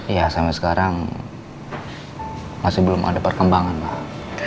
iya sampe sekarang masih belum ada perkembangan mbak